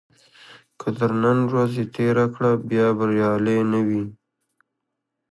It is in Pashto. که تر نن ورځې تېره کړه بیا بریالی نه وي.